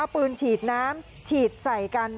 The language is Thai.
เอาปืนฉีดน้ำฉีดใส่กัน